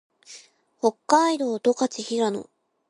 北海道十勝平野